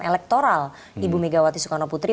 elektoral ibu megawati soekarno putri